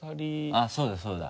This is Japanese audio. あぁそうだそうだ。